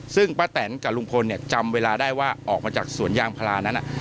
ซึ่งป้าแตนกับลุงพลเนี่ยจำเวลาได้ว่าออกมาจากสวนยางพลานั้น